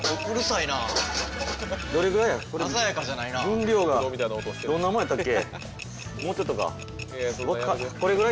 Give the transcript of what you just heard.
分量がどんなもんやったっけ？